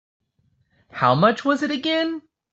How much was it again?